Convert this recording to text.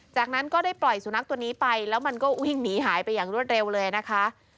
จากนั้นก็ได้ปล่อยสุนัขตัวนี้ไปแล้วมันก็วิ่งหนีหายไปอย่างรวดเร็วเลยนะคะ